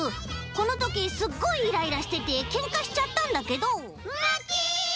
このときすっごいイライラしててけんかしちゃったんだけどムキ！